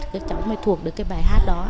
các cháu mới thuộc được cái bài hát đó